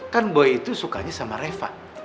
kan boy itu sukanya sama reva